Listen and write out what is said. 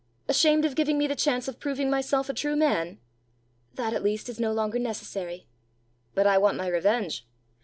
"Ashamed of giving me the chance of proving myself a true man?" "That, at least, is no longer necessary!" "But I want my revenge.